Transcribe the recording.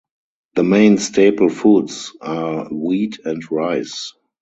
The main staple foods are wheat and rice.